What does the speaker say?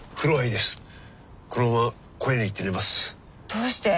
どうして？